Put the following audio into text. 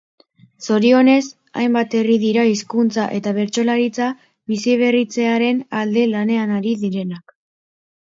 Zorionez, hainbat herri dira hizkuntza eta bertsolaritza biziberritzearen alde lanean ari direnak.